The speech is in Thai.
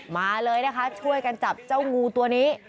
มาเลยนะคะช่วยกันจับเจ้างูตัวนี้